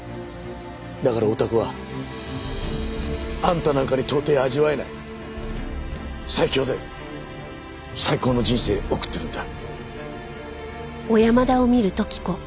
だからオタクはあんたなんかに到底味わえない最強で最高の人生送ってるんだ。